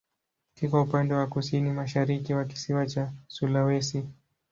Kiko upande wa kusini-mashariki wa kisiwa cha Sulawesi.